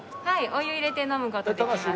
お湯入れて飲む事できます。